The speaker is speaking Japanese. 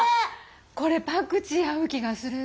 これパクチー合う気がする。